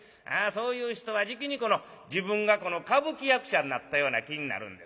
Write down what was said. そういう人はじきに自分が歌舞伎役者になったような気になるんですな。